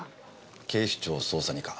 警視庁捜査２課。